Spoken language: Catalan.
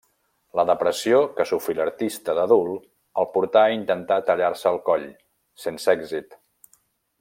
La depressió que sofrí l'artista d'adult el portà a intentar tallar-se el coll, sense èxit.